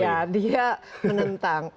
iya dia menentang